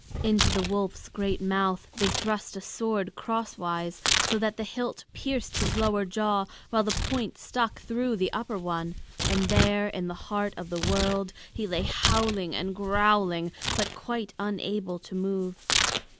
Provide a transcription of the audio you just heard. Into the wolf's great mouth they thrust a sword crosswise, so that the hilt pierced his lower jaw while the point stuck through the upper one; and there in the heart of the world he lay howling and growling, but quite unable to move.